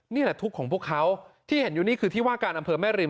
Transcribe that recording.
นี่แหละทุกข์ของพวกเขาที่เห็นอยู่นี่คือที่ว่าการอำเภอแม่ริม